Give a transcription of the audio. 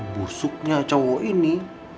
busuknya cowok ini